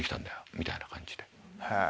みたいな感じで。